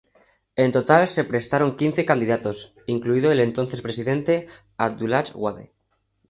En total se presentaron quince candidatos, incluido el entonces presidente Abdoulaye Wade.